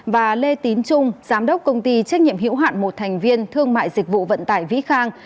và lê tín trung giám đốc công ty trách nhiệm hữu hạn một thành viên thương mại dịch vụ vận tải vĩ khang